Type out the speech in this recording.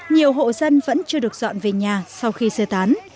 nhiều hộ dân vẫn chưa được dọn về nhà sau khi sơ tán